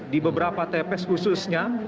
di beberapa tps khususnya